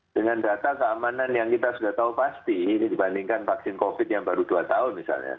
dengan data keamanan yang kita sudah tahu pasti ini dibandingkan vaksin covid yang baru dua tahun misalnya